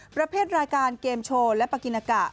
ประเภทรายการเกมโชว์และปากินากะ